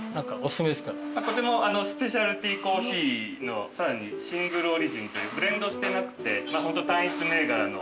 スペシャルティコーヒーのさらにシングルオリジンというブレンドしてなくてホント単一銘柄の。